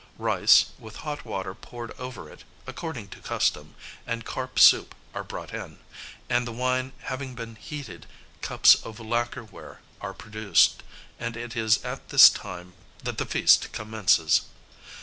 Rice, with hot water poured over it, according to custom, and carp soup are brought in, and, the wine having been heated, cups of lacquer ware are produced; and it is at this time that the feast commences.